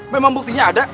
memang buktinya ada